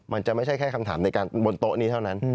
มันจะไม่ใช่แค่คำถามในการบนโต๊ะนี้เท่านั้น